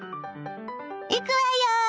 いくわよ！